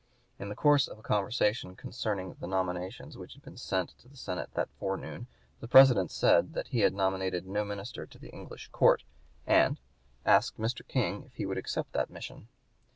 In the course of a conversation concerning the nominations which had been sent to the Senate that forenoon the President said that he had nominated no minister to the English court, and "asked Mr. King if he would accept that mission.